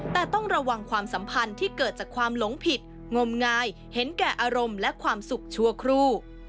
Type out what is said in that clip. แต่ต้องระวังความสัมพันธ์ที่เกิดจากความหลงผิดงมงายเห็นแก่อารมณ์และความสุขชั่วครู่